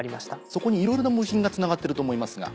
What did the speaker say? そこにいろいろな部品がつながってると思いますが。